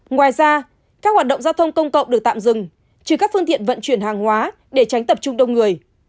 ngoài ra các hoạt động giao thông công cộng được tạm dừng trừ các phương tiện vận chuyển hàng hóa để tránh tập trung đông người